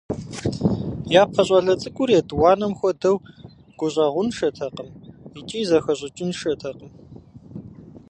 Япэ щӏалэ цӏыкӏур етӏуанэм хуэдэу гущӏэгъуншэтэкъым икӏи зэхэщӏыкӏыншэтэкъым.